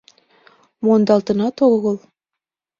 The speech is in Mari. Мондалтынат огыл.